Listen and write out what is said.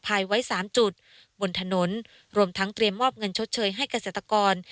ภายไว้สามจุดบนถนนรวมทั้งเตรียมมอบเงินชดเชยให้เกษตรกร